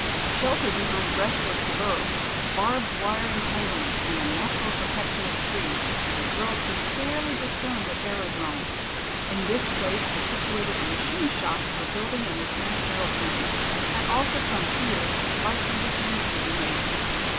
Sheltered behind breastworks of earth, barbed wire entanglements and a natural protection of trees, the girls could barely discern the aerodrome. In this place were situated the machine shops for building and repairing aeroplanes, and also from here their flights and returns could be made.